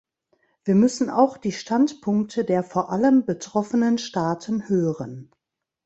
Wir müssen auch die Standpunkte der vor allem betroffenen Staaten hören.